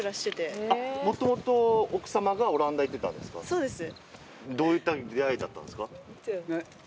そうです。